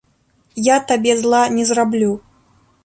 Я табе зла не зраблю.